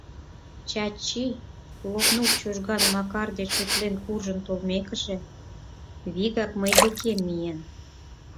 — Чачи, Лопнур Чужган Макар деч утлен куржын толмекыже, вигак мый декем миен.